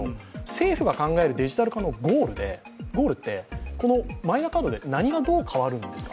政府が考えるデジタル化のゴールって、マイナカードで何がどう変わるんですか